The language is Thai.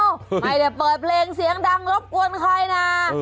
ไม่ได้เปิดเพลงเสียงดังรบกวนใครนะ